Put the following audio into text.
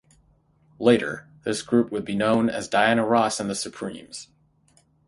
Later this group would be known as Diana Ross and The Supremes.